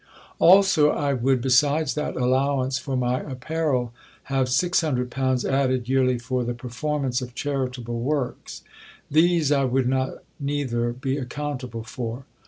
"Also, I would, besides that allowance for my apparel, have six hundred pounds added yearly for the performance of charitable works; these I would not neither be accountable for.